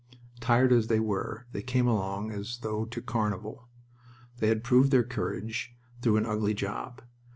Tired as they were, they came along as though to carnival. They had proved their courage through an ugly job.